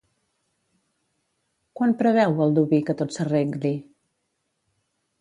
Quan preveu Baldoví que tot s'arregli?